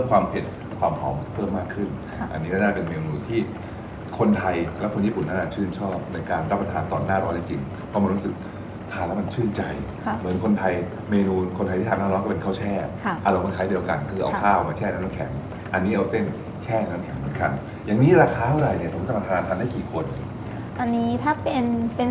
แล้วคนญี่ปุ่นอ่ะชื่นชอบในการรับประทานตอนหน้าร้อยได้กินเพราะมันรู้สึกทานแล้วมันชื่นใจค่ะเหมือนคนไทยเมนูคนไทยที่ทานหน้าร้อยก็เป็นข้าวแช่ค่ะอร่องของใครเดียวกันคือเอาข้าวมาแช่น้ำแข็งอันนี้เอาเส้นแช่น้ำแข็งเหมือนกันอย่างนี้ราคาเท่าไรเนี่ยสมมติจะมาทานทานได้กี่คนอันนี้ถ้าเป็นเป็น